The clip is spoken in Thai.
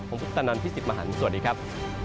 ผมพุทธนันทร์พิษศิษย์มหันฑ์สวัสดีครับ